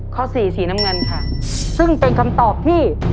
ข้อสี่สีน้ำเงินค่ะซึ่งเป็นคำตอบที่